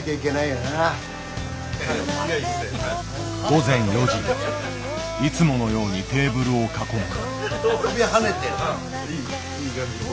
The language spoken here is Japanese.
午前４時いつものようにテーブルを囲む。